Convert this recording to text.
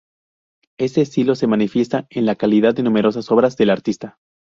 Este estilo se manifiesta en la calidad de numerosas obras del artista.